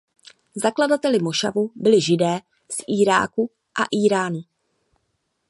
Zakladateli mošavu byli Židé z Iráku a Íránu.